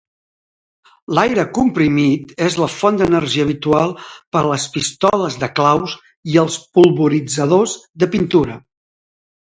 L'aire comprimit és la font d'energia habitual per a les pistoles de claus i els polvoritzadors de pintura.